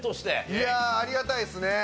いやあありがたいですね。